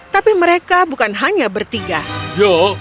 tapi mereka bukan hanya bertiga